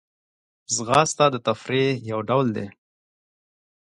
ځغاسته د تفریح یو ډول دی